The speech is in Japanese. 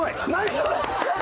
それ！